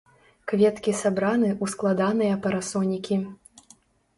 Кветкі сабраны ў складаныя парасонікі.